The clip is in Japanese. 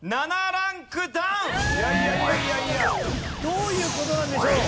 どういう事なんでしょう？